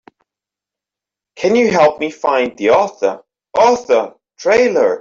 Can you help me find the Author! Author! trailer?